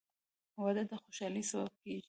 • واده د خوشحالۍ سبب کېږي.